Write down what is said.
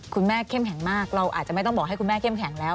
เข้มแข็งมากเราอาจจะไม่ต้องบอกให้คุณแม่เข้มแข็งแล้ว